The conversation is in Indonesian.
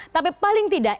tapi paling tidak